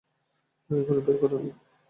তাকে এখনই বের করে আনো।